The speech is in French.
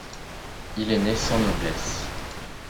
il est né sans noblesse